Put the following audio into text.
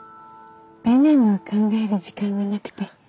ペンネーム考える時間がなくて。